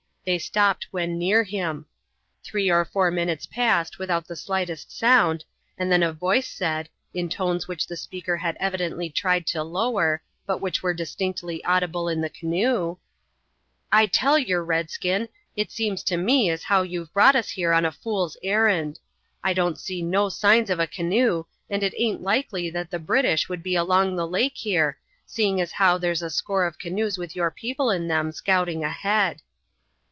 They stopped when near him. Three or four minutes passed without the slightest sound, and then a voice said, in tones which the speaker had evidently tried to lower, but which were distinctly audible in the canoe: "I tell yer, redskin, it seems to me as how you've brought us here on a fool's errand. I don't see no signs of a canoe, and it aint likely that the British would be along the lake here, seeing as how there's a score of canoes with your people in them scouting ahead."